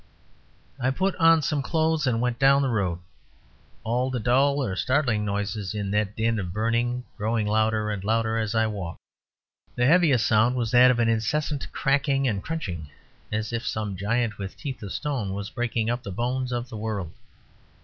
I put on some clothes and went down the road; all the dull or startling noises in that din of burning growing louder and louder as I walked. The heaviest sound was that of an incessant cracking and crunching, as if some giant with teeth of stone was breaking up the bones of the world.